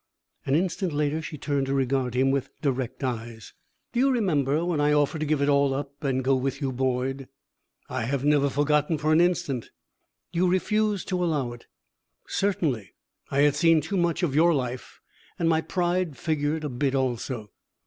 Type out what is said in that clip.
An instant later she turned to regard him with direct eyes. "Do you remember when I offered to give it all up and go with you, Boyd?" "I have never forgotten for an instant," "You refused to allow it." "Certainly! I had seen too much of your life, and my pride figured a bit, also."